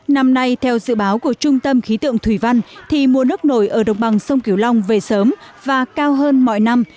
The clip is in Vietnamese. năm nay theo dự báo của trung tâm khí tượng thủy văn thì mùa nước nổi ở đồng bằng sông kiều long về sớm và cao hơn mọi năm